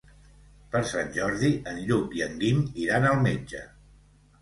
Per Sant Jordi en Lluc i en Guim iran al metge.